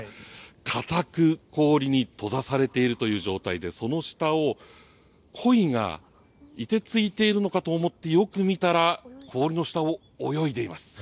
堅く氷に閉ざされているという状態でその下をコイが凍てついているのかと思ってよく見たら氷の下を泳いでいます。